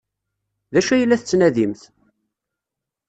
D acu ay la tettnadimt?